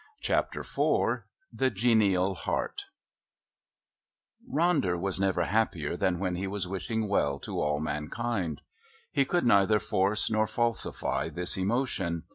Chapter IV The Genial Heart Ronder was never happier than when he was wishing well to all mankind. He could neither force nor falsify this emotion.